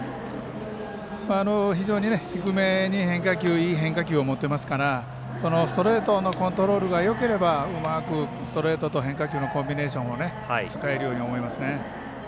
非常に低めにいい変化球を持っていますからそのストレートのコントロールがよければうまくストレートと変化球のコンビネーションを使えるように思いますね。